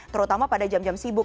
terutama pada jam jam sibuk